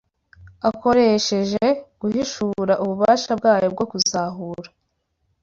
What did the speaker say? akoresheje guhishura ububasha bwayo bwo kuzahura